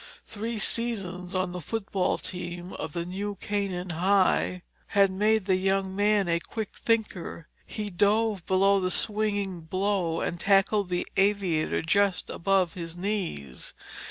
Three seasons on the football team of the New Canaan High had made that young man a quick thinker. He dove below the swinging blow and tackled the aviator just above his knees.